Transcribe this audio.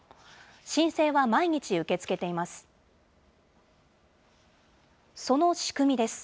申請は毎日受け付けています。